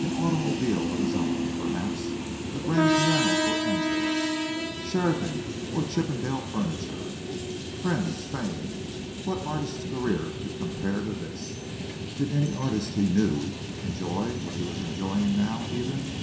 An automobile of his own, perhaps; a grand piano for Angela; Sheraton or Chippendale furniture; friends, fame what artist's career could compare to this? Did any artist he knew enjoy what he was enjoying now, even?